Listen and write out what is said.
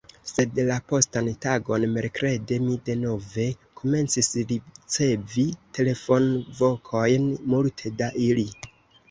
Sed, la postan tagon, Merkrede, mi denove komencis ricevi telefonvokojn, multe da ili.